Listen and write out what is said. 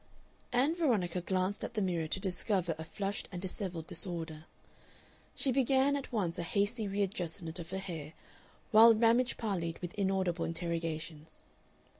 Ann Veronica glanced at the mirror to discover a flushed and dishevelled disorder. She began at once a hasty readjustment of her hair, while Ramage parleyed with inaudible interrogations.